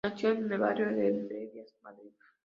Nació en el barrio de Entrevías, Madrid.